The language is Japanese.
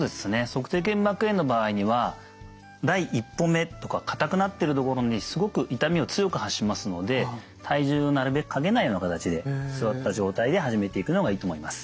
足底腱膜炎の場合には第１歩目とか硬くなってるところにすごく痛みを強く発しますので体重をなるべくかけないような形で座った状態で始めていくのがいいと思います。